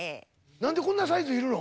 何でこんなサイズいるの？